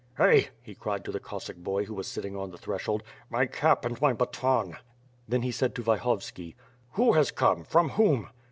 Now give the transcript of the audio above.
"Hey!" he cried to the Cossack boy who was sitting on the threshold, "my cap, and my baton." Then he said to Vyhovski: "Who has come? From whom?"